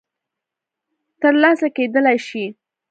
م ترلاسه کېدلای شي